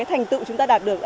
thành tựu chúng ta đạt được